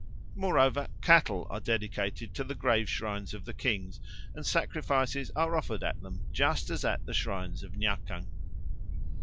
Moreover, cattle are dedicated to the grave shrines of the kings and sacrifices are offered at them just as at the shrines of Nyakang.